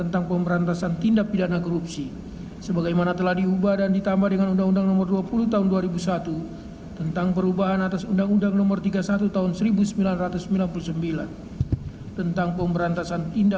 tak ketentuan peraturan perundangan lain